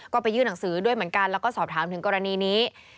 ก็ไปยื่นหนังสือด้วยเหมือนกันแล้วก็สอบถามถึงกรณีนี้